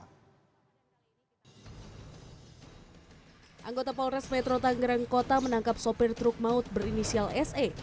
anggota polres metro tangerang kota menangkap sopir truk maut berinisial se